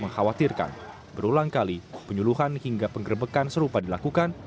mengkhawatirkan berulang kali penyuluhan hingga penggerbekan serupa dilakukan